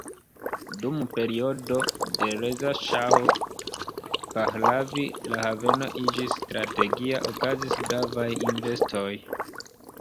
Dum periodo de Reza Ŝaho Pahlavi la haveno iĝis strategia, okazis gravaj investoj.